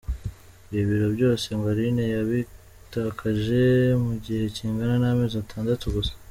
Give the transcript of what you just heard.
Ibi biro byose ngo Aline yabitakaje mu gihe kingana n’amezi atandatu gusa.